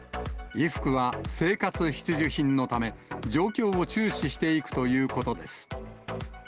衣服は生活必需品のため、状況を注視していくということです。